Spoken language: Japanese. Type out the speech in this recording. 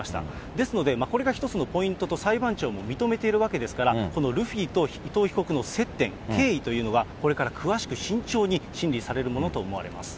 ですので、これが一つのポイントと、裁判長も認めているわけですから、このルフィと伊藤被告の接点、経緯というのは、これから詳しく慎重に審理されるものと思われます。